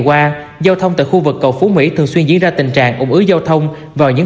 qua giao thông tại khu vực cầu phú mỹ thường xuyên diễn ra tình trạng ủng ứ giao thông vào những